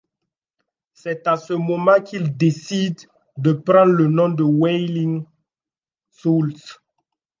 C'est à ce moment qu'ils décident de prendre le nom de Wailing Souls.